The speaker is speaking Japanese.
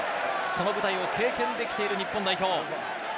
その舞台を経験できている日本代表。